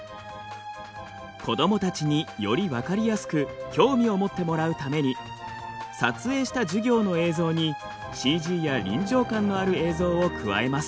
子どもたちにより分かりやすく興味を持ってもらうために撮影した授業の映像にＣＧや臨場感のある映像を加えます。